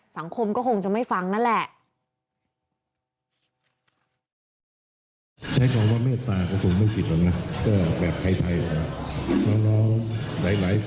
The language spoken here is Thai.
สังคมก็คงจะไม่ฟังนั่นแหละ